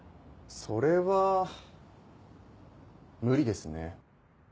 それは無理ですね。